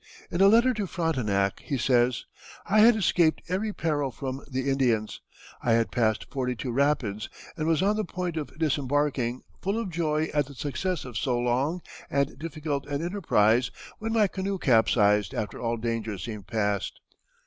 In a letter to Frontenac he says: "I had escaped every peril from the Indians; I had passed forty two rapids, and was on the point of disembarking, full of joy at the success of so long and difficult an enterprise, when my canoe capsized after all danger seemed past.